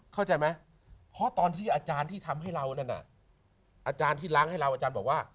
เข้าใจไหมเพราะตอนที่อาจารย์ที่ทำให้เรานั่นน่ะอาจารย์ที่ล้างให้เราอาจารย์บอกว่า